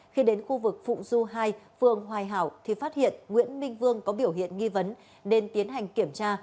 khi đến khu vực phụng du hai phường hoài hảo thì phát hiện nguyễn minh vương có biểu hiện nghi vấn nên tiến hành kiểm tra